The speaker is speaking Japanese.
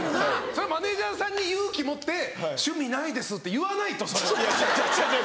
それマネジャーさんに勇気持って「趣味ないです」って言わないとそれは。